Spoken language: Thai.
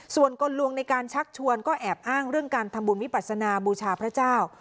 ส่วนกลลวงในการชักชวนก็แอบอ้างเรื่องการทำบุญวิปัสนาบูชาพระเจ้า